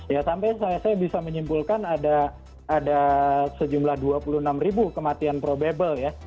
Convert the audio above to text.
ya sampai saya bisa menyimpulkan ada sejumlah dua puluh enam ribu kematian probable ya